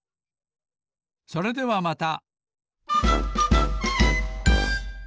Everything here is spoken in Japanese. それではまた。